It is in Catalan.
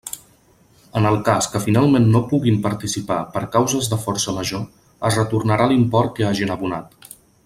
En el cas que finalment no puguin participar per causes de força major es retornarà l'import que hagin abonat.